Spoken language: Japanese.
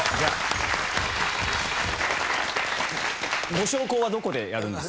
ご焼香はどこでやるんですか？